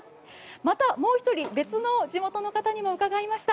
また、もう１人、別の地元の方にも伺いました。